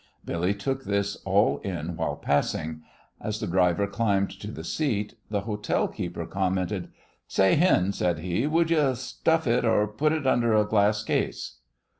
Billy took this all in while passing. As the driver climbed to the seat, the hotel keeper commented. "Say, Hen," said he, "would you stuff it or put it under a glass case?"